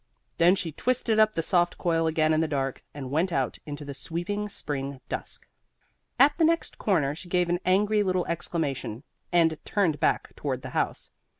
Then she twisted up the soft coil again in the dark and went out into the sweet spring dusk. At the next corner she gave an angry little exclamation and turned back toward the house.